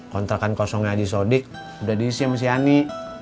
kontrakan kosongnya aji sodik udah diisi sama siani